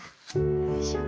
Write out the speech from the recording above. よいしょ。